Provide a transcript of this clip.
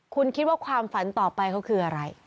คุณคิดว่าความฝันต่อไปเขาคืออะไร